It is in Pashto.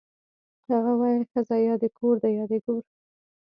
هغه ویل ښځه یا د کور ده یا د ګور